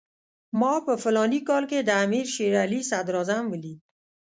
ما په فلاني کال کې د امیر شېر علي صدراعظم ولید.